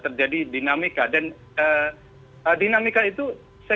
terjadi dinamika dan dinamika itu